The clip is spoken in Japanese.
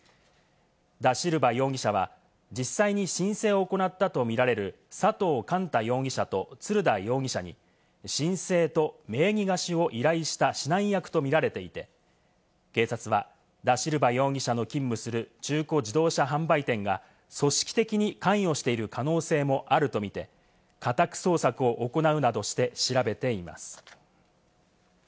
ダ・シルバ容疑者は実際に申請を行ったとみられる佐藤歓多容疑者とツルダ容疑者に申請と名義貸しを依頼した指南役とみられていて、警察はダ・シルバ容疑者の勤務する中自動車販売店が組織的に関与している可能性もあるとみて家宅捜索を行うなどして調べています。